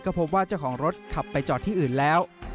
พบว่าเจ้าของรถขับไปจอดที่อื่นแล้ว